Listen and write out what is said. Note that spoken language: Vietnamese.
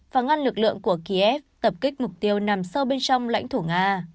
và ngăn lực lượng của kiev tập kích mục tiêu nằm sâu bên trong lãnh thổ nga